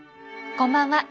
こんばんは。